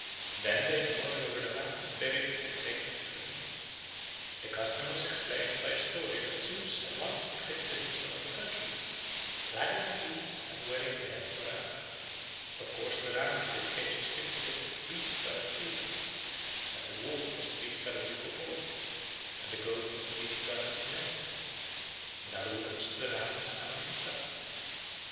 Then they mourned over the ram and buried it in a sacred tomb. The custom was explained by a story that Zeus had once exhibited himself to Hercules clad in the fleece and wearing the head of a ram. Of course the ram in this case was simply the beast god of Thebes, as the wolf was the beast god of Lycopolis, and the goat was the beast god of Mendes. In other words, the ram was Ammon himself.